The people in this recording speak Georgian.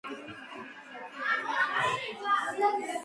შტატები ფედერაციაში ასევე ფედერალურ წყობას იცავს.